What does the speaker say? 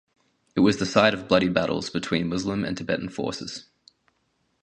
It was the site of bloody battles between Muslim and Tibetan forces.